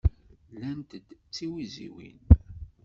Llant-d d tiwiziwin.